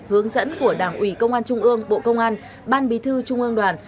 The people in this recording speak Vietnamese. hướng dẫn của đảng ủy công an trung ương bộ công an ban bí thư trung ương đoàn